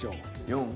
４？